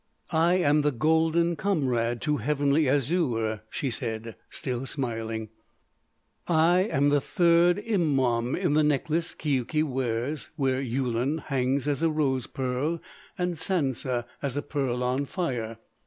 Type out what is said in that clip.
"I am the golden comrade to Heavenly Azure," she said, still smiling. "I am the Third Immaum in the necklace Keuke wears where Yulun hangs as a rose pearl, and Sansa as a pearl on fire.